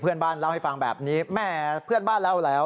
เพื่อนบ้านเล่าให้ฟังแบบนี้แม่เพื่อนบ้านเล่าแล้ว